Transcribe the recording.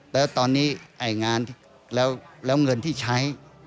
แล้วตอนนี้งานแล้วเงินที่ใช้